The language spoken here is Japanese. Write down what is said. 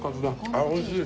あっおいしい。